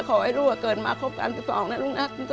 ขอให้ลูกก็เกิดมาครบกันสิบสองนะลูกนะ